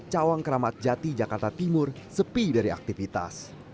cawang keramat jati jakarta timur sepi dari aktivitas